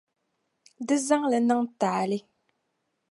Di zaŋ li niŋ taali.